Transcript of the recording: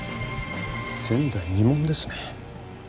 前代未聞ですね。